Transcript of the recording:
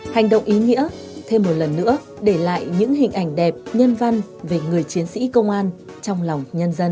hành động ý nghĩa thêm một lần nữa để lại những hình ảnh đẹp nhân văn về người chiến sĩ công an trong lòng nhân dân